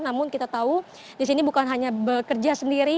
namun kita tahu di sini bukan hanya bekerja sendiri